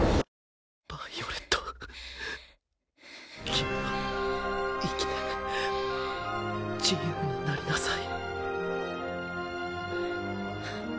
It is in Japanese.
君は生きて自由になりなさい。